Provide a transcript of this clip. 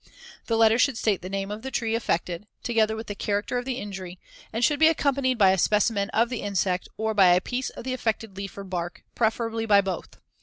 The letter should state the name of the tree affected, together with the character of the injury, and should be accompanied by a specimen of the insect, or by a piece of the affected leaf or bark, preferably by both.